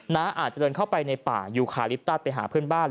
อาจจะเดินเข้าไปในป่ายูคาลิปตัสไปหาเพื่อนบ้าน